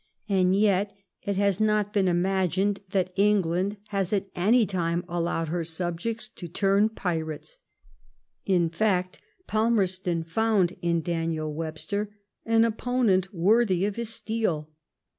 ... And yet it has not been imagined that England has at any time allowed her subjects to turn pirates." In fact, Palmerston found in Daniel Webster an opponent worthy of his steel.